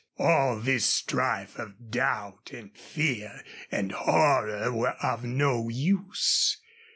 All this strife of doubt and fear and horror were of no use.